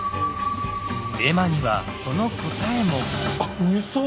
絵馬にはその答えも。